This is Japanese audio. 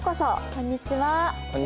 こんにちは。